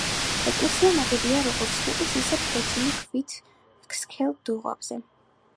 ეკლესია ნაგებია როგორც რიყის, ისე ფლეთილი ქვით სქელ დუღაბზე.